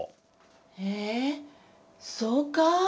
えそうか？